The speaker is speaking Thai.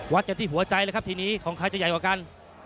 กันที่หัวใจเลยครับทีนี้ของใครจะใหญ่กว่ากัน